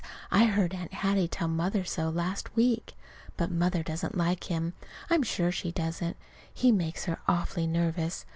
I heard Aunt Hattie tell Mother so last week.) But Mother doesn't like him. I'm sure she doesn't. He makes her awfully nervous.